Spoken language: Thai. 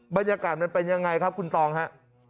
บรรยากาศมันเป็นยังไงครับคุณตองฮะ